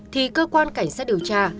thì cơ quan cảnh sát điều tra